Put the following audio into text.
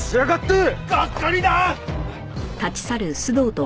がっかりだ！あっ。